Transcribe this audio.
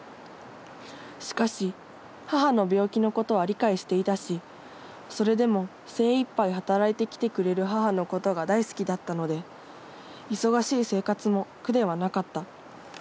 しかし母の病気のことは理解していたしそれでも精一杯働いてきてくれる母のことが大好きだったので忙しい生活も苦ではなかった。